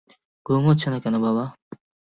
ঘুম হচ্ছে না কেন বাবা?